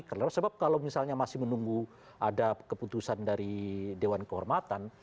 karena kalau misalnya masih menunggu ada keputusan dari dewan kehormatan